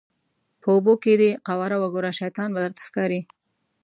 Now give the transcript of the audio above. په اوبو کې دې قواره وګوره شیطان به درته ښکاري.